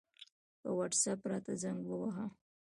په وټساپ راته زنګ ووهه